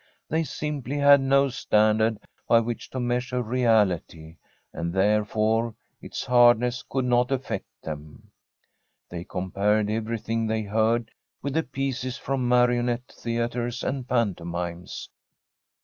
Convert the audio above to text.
They simply had no standard by which to measure [ii6] Tbi STORY of a COUNTRY HOUSE reality, and therefore its hardness could not affect them. They compared everything they heard with the pieces from marionette theatres and pan tomimes.